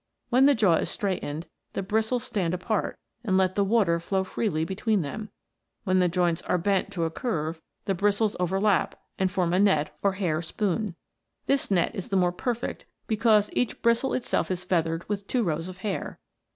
When the jaw is straight ened, the bristles stand apart and let the water flow freely between them ; when the joints are bent to a curve, the bristles overlap and form a net or hair spoon. This net is the more perfect because each bristle itself is feathered with two rows of hair.